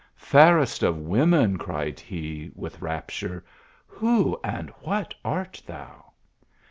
"Fairest of women," cried he, with rapture, " who and what art thou